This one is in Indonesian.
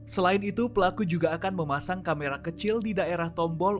selain itu pelaku juga akan memasang kamera kecil di daerah tombol